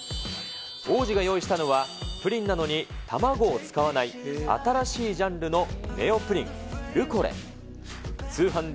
王子が用意したのは、プリンなのに卵を使わない新しいジャンルのネオプリン、ルコレ。